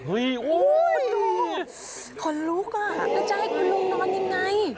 ลุงขนลุกอ่ะแล้วจะให้คุณลุงนอนยังไง